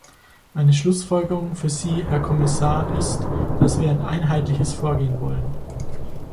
Meine Schlussfolgerung für Sie, Herr Kommissar, ist, dass wir ein einheitliches Vorgehen wollen.